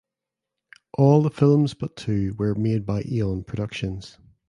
All the films but two were made by Eon Productions.